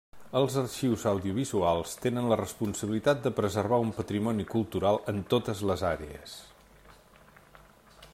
Els arxius audiovisuals tenen la responsabilitat de preservar un patrimoni cultural en totes les àrees.